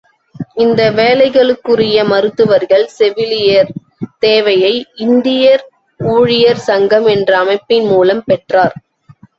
இந்த வேலைகளுக்குரிய மருத்துவர்கள், செவிலியர் தேவையை, இந்தியர் ஊழியர் சங்கம் என்ற அமைப்பின் மூலம் பெற்றார்.